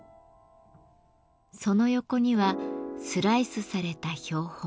その横にはスライスされた標本。